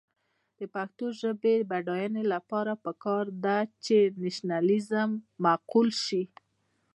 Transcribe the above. د پښتو ژبې د بډاینې لپاره پکار ده چې نیشنلېزم معقول شي.